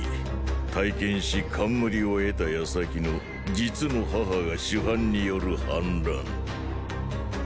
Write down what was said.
帯剣し冠を得たやさきの実の母が主犯による反乱